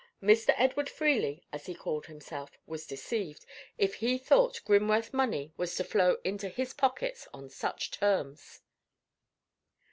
Mr. Edward Freely, as he called himself, was deceived, if he thought Grimworth money was to flow into his pockets on such terms.